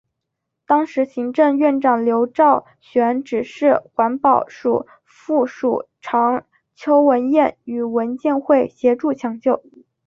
当时行政院长刘兆玄指示环保署副署长邱文彦与文建会协助抢救。